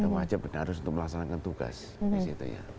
wajib dan harus untuk melaksanakan tugas di situ ya